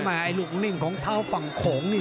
ไอ้ลูกนิ่งของเท้าฝั่งโขงนี่